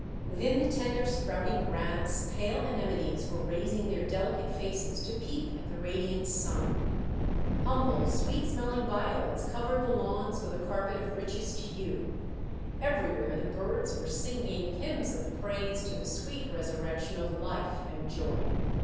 Within the tender sprouting grass pale anemones were raising their delicate faces to peep at the radiant sun. Humble sweet smelling violets covered the lawns with a carpet of richest hue. Everywhere the birds were singing hymns of praise to the sweet resurrection of life and joy.